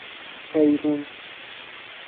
هیرون